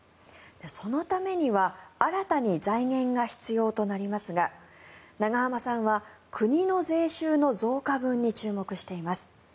そのためには新たに財源が必要となりますが永濱さんは国の税収の増加分に注目しています。